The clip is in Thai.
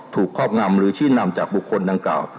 ครอบงำหรือชี้นำจากบุคคลดังกล่าว